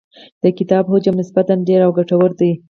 د کتاب حجم نسبتاً ډېر او ګټور دی.